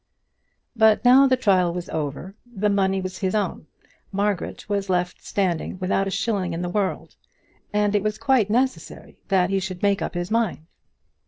But now the trial was over, the money was his own, Margaret was left without a shilling in the world, and it was quite necessary that he should make up his mind.